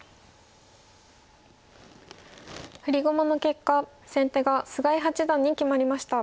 振り駒の結果先手が菅井八段に決まりました。